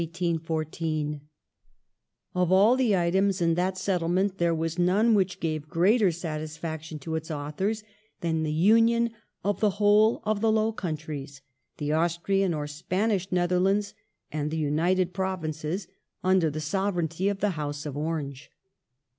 The Bel Of all the items in that Settlement there was none which gave P^j"'^^^^' greater satisfaction to its authors than the union of the whole of the Low Countries — the Austrian or Spanish Netherlands and the United Provinces — under the Sovereignty of the House of Orange.